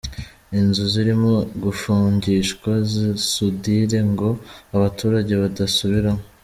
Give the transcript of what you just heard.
Inzu zirimo gufungishwa sudire ngo abaturage badasubiramo.